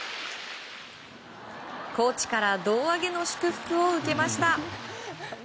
コーチから胴上げの祝福を受けました。